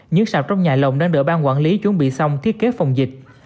nhưng sạp trong nhà lồng đang đỡ ban quản lý chuẩn bị xong thiết kế phòng dịch